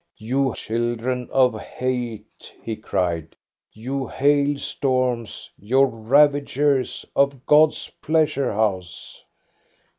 " You children of hate," he cried, " you hail storms, you ravagers of God's pleasure house